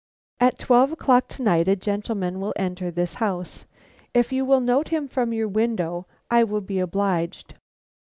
"At twelve o'clock to night a gentleman will enter this house. If you will note him from your window I will be obliged."